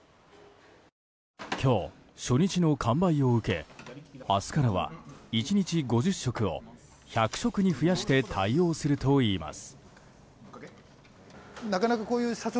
今日初日の完売を受け明日からは、１日５０食を１００食に増やして対応するといいます。